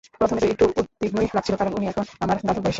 প্রথমে তো একটু উদ্বিগ্নই লাগছিল কারণ উনি এখন আমার দাদুর বয়সের।